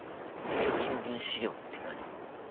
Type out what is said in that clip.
平均分子量って何？